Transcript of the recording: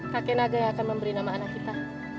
kakek naga yang akan memberi nama anak kita